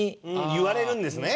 言われるんですね。